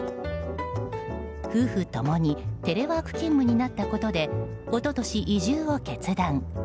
夫婦共にテレワーク勤務になったことで一昨年、移住を決断。